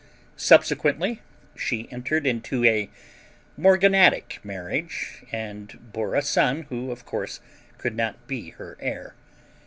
Subsequently she entered into a morganatic marriage and bore a son who, of course, could not be her heir.